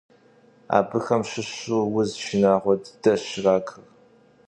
Абыхэм щыщу уз шынагъуэ дыдэщ ракыр.